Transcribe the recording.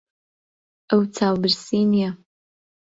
ئەو چاوبرسی نییە.